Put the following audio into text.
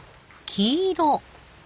黄色。